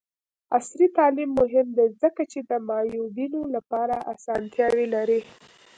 عصري تعلیم مهم دی ځکه چې د معیوبینو لپاره اسانتیاوې لري.